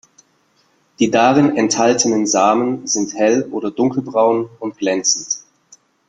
Die darin enthaltenen Samen sind hell- oder dunkelbraun und glänzend.